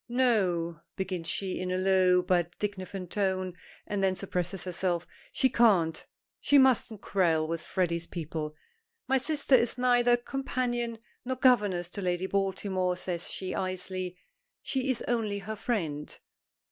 "No!" begins she, in a low but indignant tone, and then suppresses herself. She can't, she mustn't quarrel with Freddy's people! "My sister is neither companion nor governess to Lady Baltimore," says she icily. "She is only her friend."